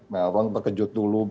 melron berkejut dulu